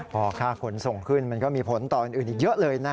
พอค่าขนส่งขึ้นมันก็มีผลต่ออื่นอีกเยอะเลยนะ